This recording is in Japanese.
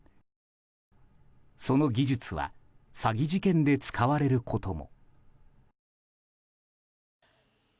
その技術は詐欺事件で使われることも。